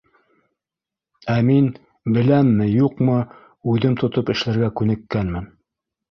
Ә мин, беләмме, юҡмы, үҙем тотоп эшләргә күнеккәнмен.